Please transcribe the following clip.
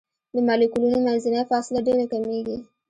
د مالیکولونو منځنۍ فاصله ډیره کمیږي.